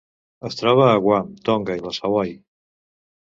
Es troba a Guam, Tonga i les Hawaii.